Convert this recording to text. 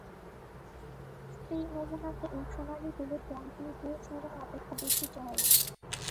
স্ত্রী নমুনাতে এই সোনালী-হলুদ বন্ধনী পুরুষ নমুনা অপেক্ষা বেশি চওড়া।